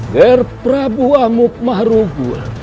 gher prabu amukmarugul